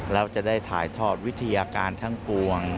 แล้วจะได้ถ่ายทอดวิทยาการทั้งปวง